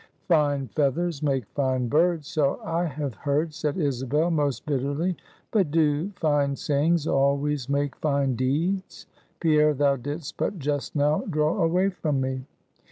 "Fine feathers make fine birds, so I have heard," said Isabel, most bitterly "but do fine sayings always make fine deeds? Pierre, thou didst but just now draw away from me!"